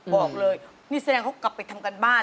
บอกเลยนี่แสดงเขากลับไปทำการบ้าน